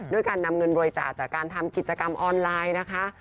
การนำเงินบริจาคจากการทำกิจกรรมออนไลน์นะคะ